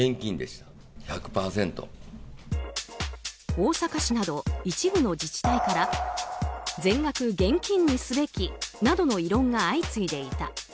大阪市など、一部の自治体から全額現金にすべきなどの異論が相次いでいた。